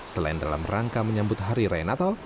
selain dalam rangka menyambut hari raya natal